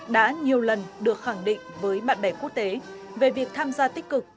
đã nhiều lần được khẳng định với bạn bè quốc tế về việc tham gia tích cực